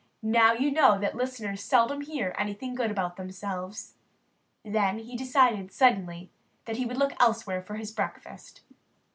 "Now you know that listeners seldom hear anything good about themselves." Then he decided, suddenly, that he would look elsewhere for his breakfast.